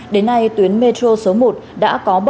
đến nay tuyến metro số một đã có bảy